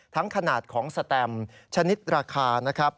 ขนาดของสแตมชนิดราคานะครับ